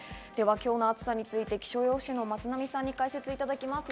今日の暑さについて、気象予報士・松並さんに解説していただきます。